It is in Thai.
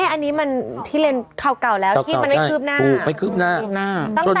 อันนี้มันที่เรียนข่าวเก่าแล้วที่มันไม่คืบหน้าไม่คืบหน้าคืบหน้า